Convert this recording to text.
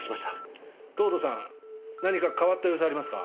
藤堂さん何か変わった様子ありますか？